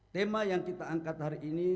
tema yang kita angkat hari ini